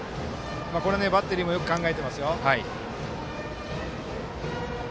これバッテリーもよく考えています。